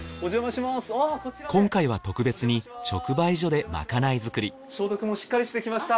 今回は特別に直売所でまかない作り消毒もしっかりしてきました。